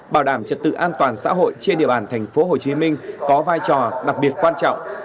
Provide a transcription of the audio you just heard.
bảo đảm trật tự an toàn xã hội trên địa bàn tp hcm có vai trò đặc biệt quan trọng